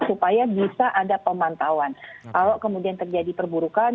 kalau kemudian terjadi perburukan